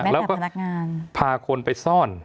แล้วก็พาคนไปซ่อน